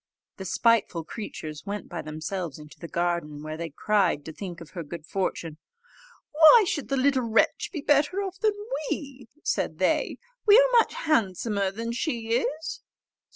The spiteful creatures went by themselves into the garden, where they cried to think of her good fortune. "Why should the little wretch be better off than we?" said they. "We are much handsomer than she is."